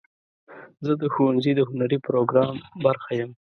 زه د ښوونځي د هنري پروګرام برخه یم.